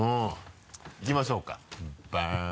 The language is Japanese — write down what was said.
いきましょうかバン！